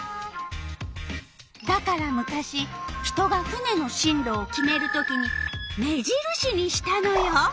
だから昔人が船のしん路を決める時に目印にしたのよ。